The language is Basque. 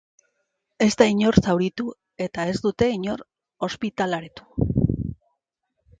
Ez da inor zauritu, eta ez dute inor ospitaleratu.